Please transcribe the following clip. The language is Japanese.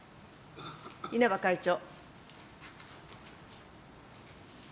稲葉会長。